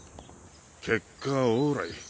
結果オーライ。